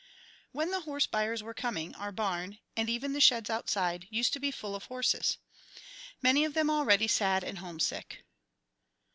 When the horse buyers were coming, our barn, and even the sheds outside, used to be full of horses, many of them already sad and homesick.